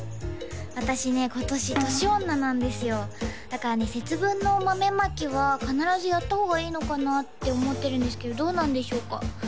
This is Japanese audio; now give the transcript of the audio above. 私ね今年年女なんですよだからね節分の豆まきは必ずやった方がいいのかなって思ってるんですけどどうなんでしょうか？